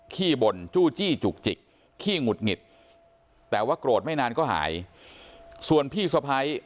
ขี้บ่นจู้จี้จุกจิกขี้หงุดหงิดแต่ว่าโกรธไม่นานก็หายส่วนพี่สะพ้าย